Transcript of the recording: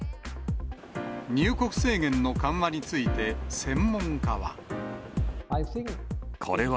入国制限の緩和について、専門家は。